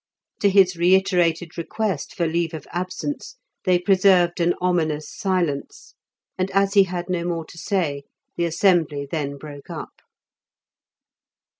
To his reiterated request for leave of absence they preserved an ominous silence, and as he had no more to say, the assembly then broke up.